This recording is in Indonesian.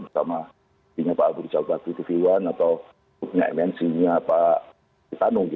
sama punya pak abu dijabat tv one atau punya mnc nya pak itanu